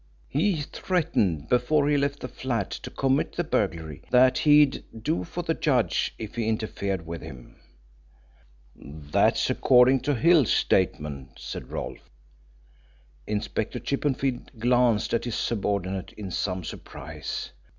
He threatened before he left the flat to commit the burglary that he'd do for the judge if he interfered with him." "That's according to Hill's statement," said Rolfe. Inspector Chippenfield glanced at his subordinate in some surprise.